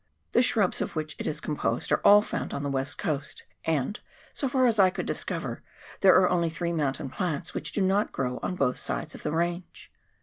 The shrubs of which it is composed are all found on the West Coast, and, so far as I could discover, there are only three mountain plants which do not grow on both sides of the range.